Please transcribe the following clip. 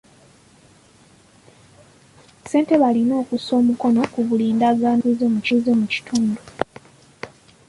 Ssentebe alina okussa omukono ku buli ndagaano y'obutunzi mu kitundu.